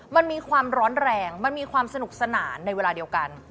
มันมีความร้อนแรงมันมีความสนุกสนานในเวลาเดียวกัน